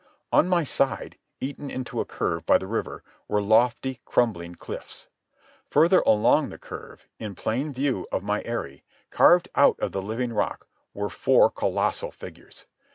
On my side, eaten into a curve by the river, were lofty, crumbling cliffs. Farther along the curve, in plain view from my eyrie, carved out of the living rock, were four colossal figures.